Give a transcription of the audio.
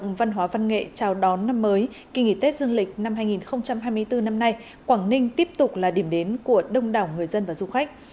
trong văn hóa văn nghệ chào đón năm mới kỳ nghỉ tết dương lịch năm hai nghìn hai mươi bốn năm nay quảng ninh tiếp tục là điểm đến của đông đảo người dân và du khách